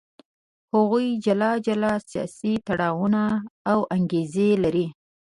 هغوی جلا جلا سیاسي تړاوونه او انګېزې لري.